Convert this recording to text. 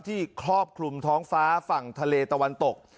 ครอบคลุมท้องฟ้าฝั่งทะเลตะวันตก